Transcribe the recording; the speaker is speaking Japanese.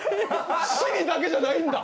尻だけじゃないんだ！